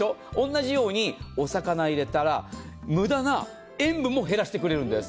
同じように、お魚入れたら無駄な塩分も減らしてくれるんです。